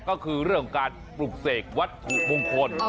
ก็คือเรื่องของการปลุกเสกวัตถุมงคล